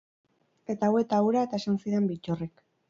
Eta hau eta hura, eta esan zidan Bittorrek.